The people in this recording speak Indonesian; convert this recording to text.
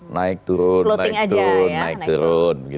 naik turun naik turun naik turun